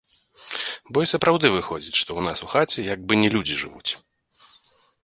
Бо і сапраўды выходзіць, што ў нас у хаце як бы не людзі жывуць.